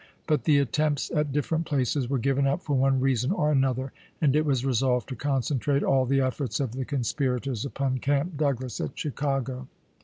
But the attempts at different places were given up for one reason or another, and it was resolved to concentrate all the efforts of the conspii*ators upon Camp Douglas at Chicago.